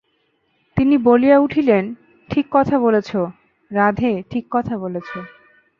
তিনি বলিয়া উঠিলেন, ঠিক কথা বলেছ, রাধে, ঠিক কথা বলেছ।